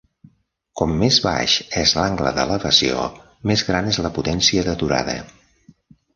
Com més baix és l'angle d'elevació, més gran és la potència d'aturada.